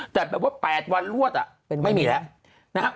แต่แบบว่า๘วันรวดไม่มีแล้วนะครับ